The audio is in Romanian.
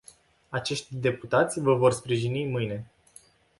Acești deputați vă vor sprijini mâine.